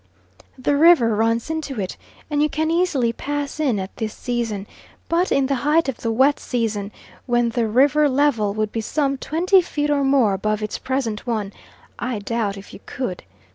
The river runs into it, and you can easily pass in at this season, but in the height of the wet season, when the river level would be some twenty feet or more above its present one, I doubt if you could.